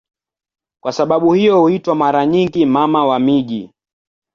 Kwa sababu hiyo huitwa mara nyingi "Mama wa miji".